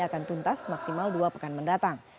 akan tuntas maksimal dua pekan mendatang